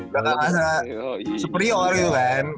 gak akan rasa superior gitu kan